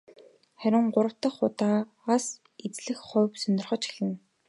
Харин гурав дахь удаагаас эхлэн хүмүүс сонирхож эхэлнэ.